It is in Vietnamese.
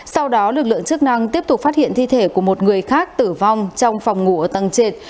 sau đó lực lượng chức năng tiếp tục phát hiện thi thể của một người khác tử vong trong phòng ngủ ở tầng trệt